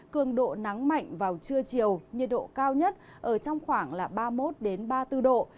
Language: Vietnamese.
cường độ nắng mạnh vào trưa chiều nhiệt độ cao nhất ở trong khoảng ba mươi một ba mươi bốn độ